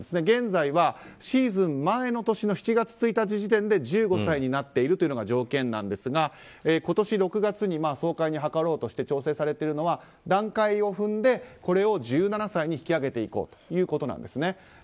現在はシーズン前の年の７月１日時点で１５歳になっているのが条件なんですが今年６月に総会に諮ろうとして調整されているのは段階を踏んでこれを１７歳に引き上げようということなんです。